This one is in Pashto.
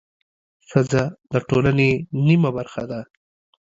ښځه د ټولنې نیمه برخه ده